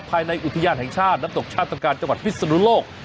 ภายในอุทยานแห่งชาติน้ำตกชาติการจังหวัดพิศนุโลก